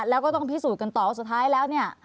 แล้วก็ต้องพิสูจน์กันต่อว่าสุดท้ายแล้วเนี่ย